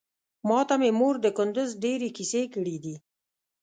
ماته مې مور د کندوز ډېرې کيسې کړې دي.